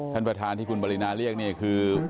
ท่านประธานที่คุณปรินาเรียกนี่คือ